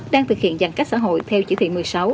đang thực hiện giãn cách xã hội theo chỉ thị một mươi sáu